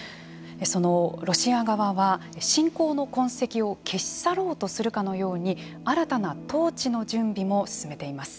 そのロシア側は侵攻の痕跡を消し去ろうとするかのように新たな統治の準備も進めています。